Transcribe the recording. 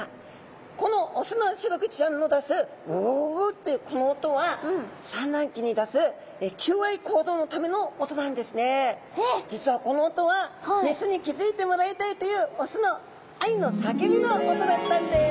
このオスのシログチちゃんの出すグゥグゥグゥグゥというこの音は実はこの音はメスに気付いてもらいたいというオスの愛の叫びの音だったんです！